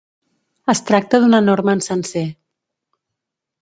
Es tracta d'un enorme encenser.